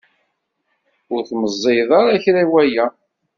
Ur tmeẓẓiyeḍ ara kra i waya?